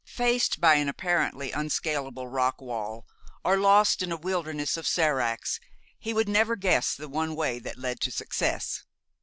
Faced by an apparently unscalable rock wall, or lost in a wilderness of séracs, he would never guess the one way that led to success.